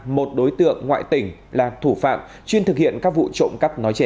một đối tượng ngoại tỉnh là thủ phạm chuyên thực hiện các vụ trộm cắp nói trên